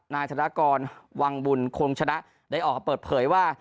นายธนากรวังบุญคงชนะได้ออกมาเปิดเผยว่า